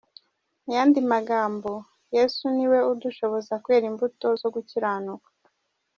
Mu yandi magambo, Yesu ni we udushoboza kwera imbuto zo gukiranuka.